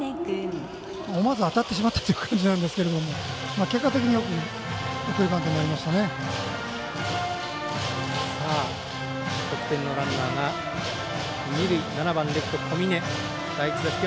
思わず当たってしまったという感じなんですけれども結果的に送りバントになりました。